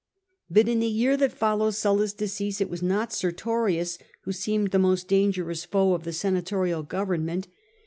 But in the year that followed Sulla's decease it was not Sertorius who seemed the most dangerous foe of the senatorial government.